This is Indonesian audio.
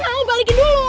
gak mau balikin dulu